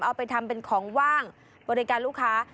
เอาไปทำเป็นของว่างบริการลูกค้า